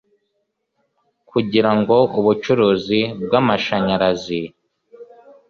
Kugira ngo ubucuruzi bw amashanyarazi